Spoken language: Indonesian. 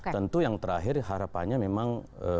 tentu yang terakhir harapannya memang